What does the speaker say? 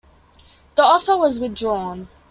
The offer was withdrawn.